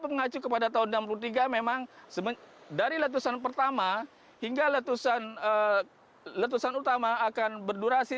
pengacu kepada tahun enam puluh tiga memang semen dari letusan pertama hingga letusan letusan utama akan berdurasi